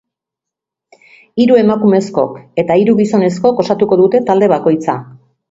Hiru emakumezkok eta hiru gizonezkok osatuko dute talde bakoitza.